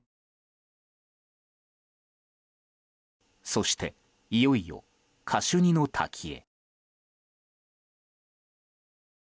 そして、いよいよカシュニの滝へ。